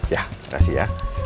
ya terima kasih ya